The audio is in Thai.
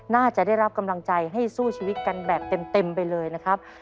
น่าจะได้รับกำลังใจให้สู้ชีวิตกันแบบเต็มไปเลยนะครับ